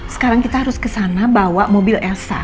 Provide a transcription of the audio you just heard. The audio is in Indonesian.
sekarang kita harus kesana bawa mobil elsa